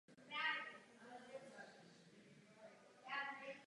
Samozřejmě rovněž rádi vyslechneme návrhy z Evropského parlamentu.